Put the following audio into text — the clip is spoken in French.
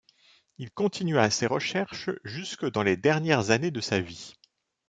Il continua ses recherches jusque dans les dernières années de sa vie.